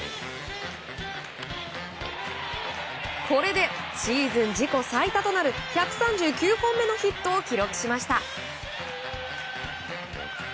これでシーズン自己最多となる１３９本目のヒットを記録しました。